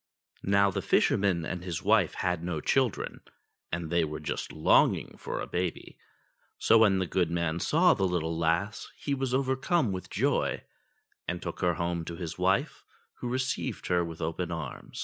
Now the fisherman and his wife had no children, and they were just longing for a baby ; so when the good man saw the little lass he was overcome with joy, and took her home to his wife, who received her with open arms.